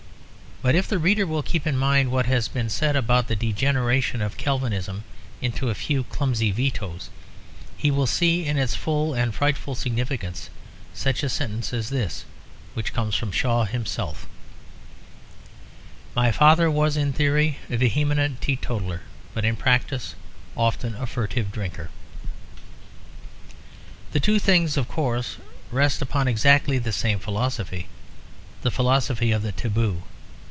But if the reader will keep in mind what has been said about the degeneration of Calvinism into a few clumsy vetoes, he will see in its full and frightful significance such a sentence as this which comes from Shaw himself: "My father was in theory a vehement teetotaler, but in practice often a furtive drinker." The two things of course rest upon exactly the same philosophy; the philosophy of the taboo.